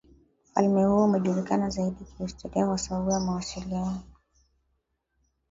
Ufalme huo umejulikana zaidi kihistoria kwa sababu ya mawasiliano